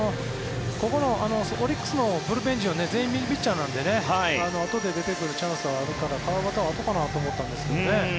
ここのオリックスのブルペン陣は全員右ピッチャーなのであとで出てくるチャンスはあるから川端はあとかなと思ったんですけどね。